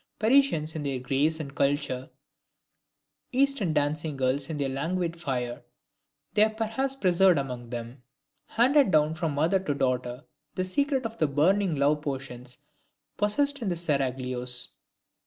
Parisians in their grace and culture, Eastern dancing girls in their languid fire, they have perhaps preserved among them, handed down from mother to daughter, the secret of the burning love potions possessed in the seraglios.